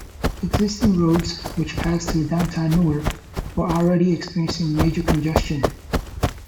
Existing roads, which passed through downtown Newark, were already experiencing major congestion.